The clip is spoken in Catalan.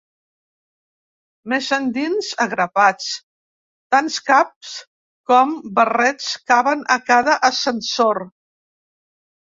Més endins a grapats, tants caps com barrets caben a cada ascensor.